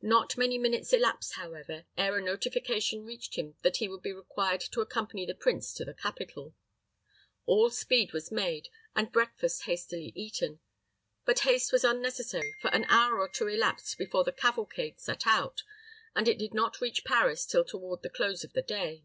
Not many minutes elapsed, however, ere a notification reached him that he would be required to accompany the prince to the capital. All speed was made, and breakfast hastily eaten; but haste was unnecessary, for an hour or two elapsed before the cavalcade set out, and it did not reach Paris till toward the close of the day.